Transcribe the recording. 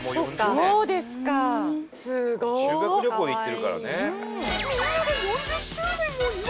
修学旅行で行ってるからね。